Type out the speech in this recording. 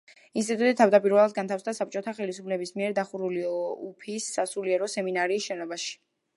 ინსტიტუტი თავდაპირველად განთავსდა საბჭოთა ხელისუფლების მიერ დახურული უფის სასულიერო სემინარიის შენობაში.